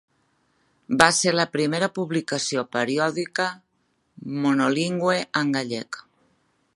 Va ser la primera publicació periòdica monolingüe en gallec.